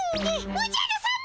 おじゃるさま！